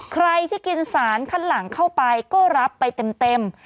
ใครที่กินสารขั้นหลังเข้าไปก็รับไปเต็ม